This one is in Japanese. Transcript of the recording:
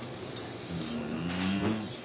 ふん。